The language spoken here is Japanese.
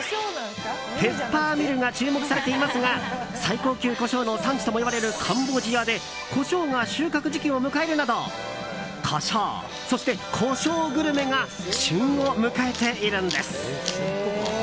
ペッパーミルが注目されていますが最高級コショウの産地ともいわれるカンボジアでコショウが収穫時期を迎えるなどコショウそしてコショウグルメが旬を迎えているんです。